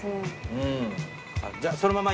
うん。